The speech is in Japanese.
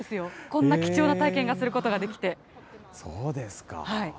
こんな貴重な体験をすることがでそうですか。